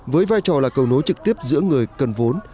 với vai trò là cầu nối trực tiếp giữa người cần vốn